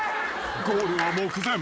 ［ゴールは目前］